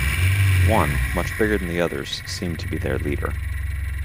One, much bigger than the others, seemed to be their leader.